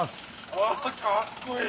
うわかっこいい！